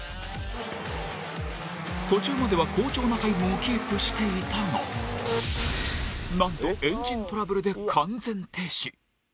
途中までは好調なタイムをキープしていたがなんと、エンジントラブルで完全停止。